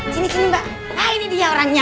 gini sini mbak nah ini dia orangnya